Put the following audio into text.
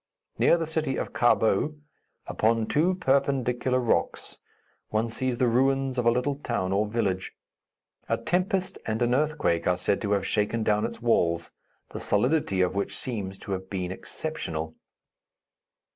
Near the city of Karbou, upon two perpendicular rocks, one sees the ruins of a little town or village. A tempest and an earthquake are said to have shaken down its walls, the solidity of which seems to have been exceptional.